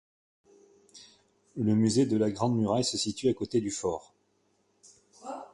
Le musée de la Grande muraille se situe à côté du fort.